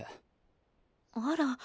あら。